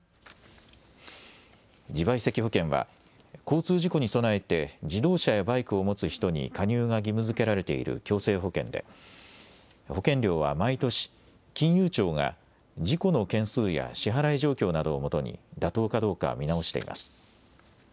自賠責保険は交通事故に備えて自動車やバイクを持つ人に加入が義務づけられている強制保険で保険料は毎年、金融庁が事故の件数や支払い状況などをもとに妥当かどうか見直しています。